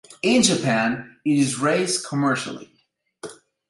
In Japan, it is raised commercially.